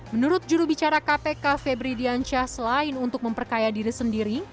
menurut jurubicara kpk febri diansyah selain untuk memperkaya diri sendiri